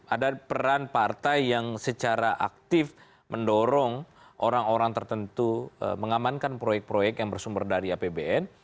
ada peran partai yang secara aktif mendorong orang orang tertentu mengamankan proyek proyek yang bersumber dari apbn